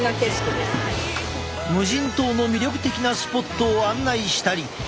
無人島の魅力的なスポットを案内したり。